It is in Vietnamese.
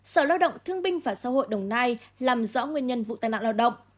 sở lao động thương binh và xã hội đồng nai làm rõ nguyên nhân vụ tai nạn lao động